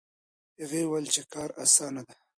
هغه وویل چې کار اسانه و.